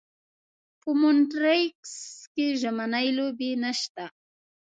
په مونټریکس کې ژمنۍ لوبې نشته.